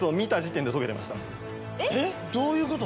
えっどういうこと？